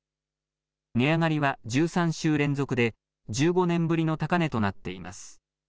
値上がりは１３週連続で１５年ぶりの高値となっています。